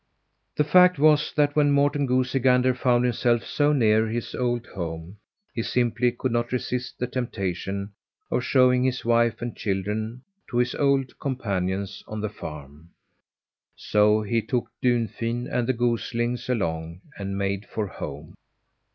The fact was that when Morten Goosey Gander found himself so near his old home he simply could not resist the temptation of showing his wife and children to his old companions on the farm. So he took Dunfin and the goslings along, and made for home.